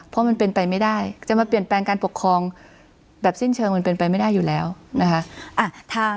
เพราะมันเป็นไปไม่ได้จะมาเปลี่ยนแปลงการปกครองแบบสิ้นเชิงมันเป็นไปไม่ได้อยู่แล้วนะคะ